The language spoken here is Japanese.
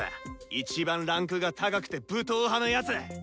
一番位階が高くて武闘派のやつ。